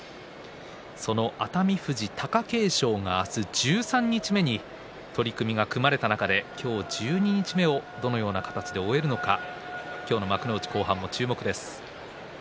その熱海富士、貴景勝が明日十三日目に取組が組まれた中で今日十二日目をどのような形で終えるのか今日の幕内後半も注目です。